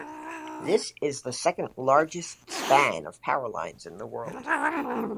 This is the second largest span of power lines in the world.